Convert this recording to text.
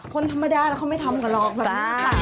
คนธรรมดาแล้วเขาไม่ทำกันหรอกแบบนี้